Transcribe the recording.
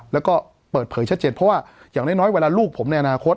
แล้วก็เปิดเผยชัดเจนเพราะว่าอย่างน้อยเวลาลูกผมในอนาคต